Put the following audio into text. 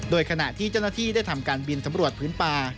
โดยขณะที่เจ้าหน้าที่ได้ทำการบินสำรวจพื้นป่า